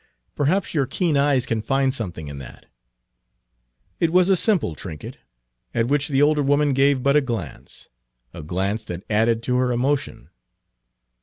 Perhaps your keen eyes can find something in that." It was a simple trinket, at which the older woman gave but a glance a glance that added to her emotion.